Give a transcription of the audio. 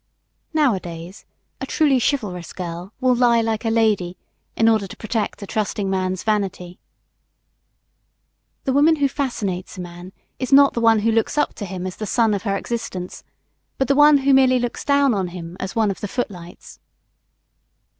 Nowadays, a truly chivalrous girl will "lie like a lady" in order to protect a trusting man's vanity. The woman who fascinates a man is not the one who looks up to him as the sun of her existence, but the one who merely looks down on him as one of the footlights.